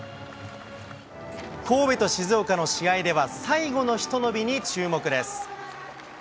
神戸と静岡の試合では最後のひと伸びに注目です。